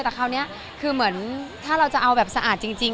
แต่คราวนี้คือเหมือนถ้าเราจะเอาแบบสะอาดจริง